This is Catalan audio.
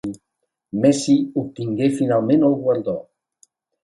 Messi obtingué finalment el guardó.